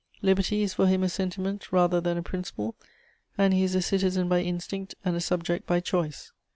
Liberty is for him a sentiment rather than a principle, and he is a citizen by instinct and a subject by choice.